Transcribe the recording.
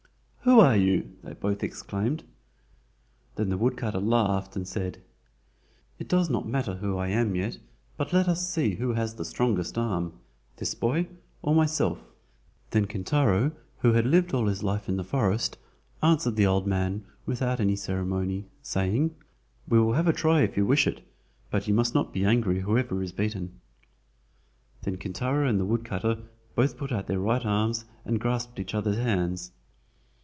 "Who are you?" they both exclaimed. Then the woodcutter laughed and said: "It does not matter who I am yet, but let us see who has the strongest arm—this boy or myself?" Then Kintaro, who had lived all his life in the forest, answered the old man without any ceremony, saying: "We will have a try if you wish it, but you must not be angry whoever is beaten." Then Kintaro and the woodcutter both put out their right arms and grasped each other's hands.